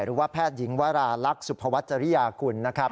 หรือว่าแพทย์หญิงวราลักษณ์สุภวัชริยากุลนะครับ